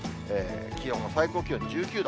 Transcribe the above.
気温も最高気温、１９度。